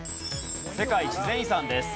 世界自然遺産です。